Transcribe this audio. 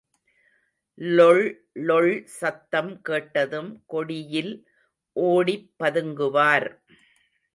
ளொள்ளொள் சத்தம் கேட்டதும் கொடியில் ஓடிப் பதுங்குவார்.